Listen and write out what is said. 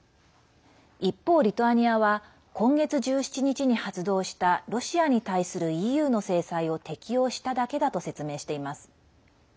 一方、リトアニアは今月１７日に発動したロシアに対するＥＵの制裁を適用しただけだと説明しています。